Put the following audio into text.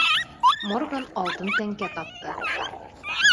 Морган алтын тәңкә тапты.